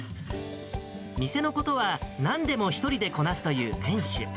店のことはなんでも１人でこなすという店主。